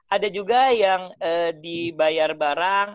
ada juga yang dibayar barang